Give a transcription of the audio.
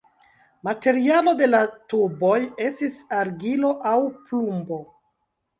Materialo de la tuboj estis argilo aŭ plumbo.